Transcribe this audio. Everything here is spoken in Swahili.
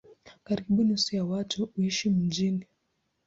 Karibu nusu ya watu huishi mijini.